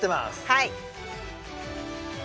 はい。